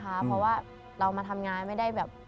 เพราะว่าเรามาทำงานไม่ได้แบบ